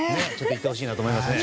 いってほしいなと思いますよね。